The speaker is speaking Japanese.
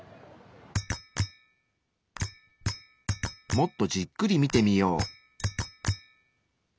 もっとじっくり見てみよう。